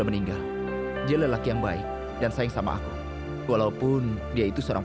aku ini dididik sama orang tua